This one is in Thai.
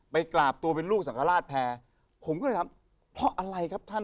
กราบตัวเป็นลูกสังฆราชแพรผมก็เลยถามเพราะอะไรครับท่าน